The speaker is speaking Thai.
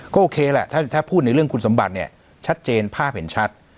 ก็โอเคแหละถ้าพูดในเรื่องคุณสมบัติเนี่ยชัดเจนภาพเห็นชัด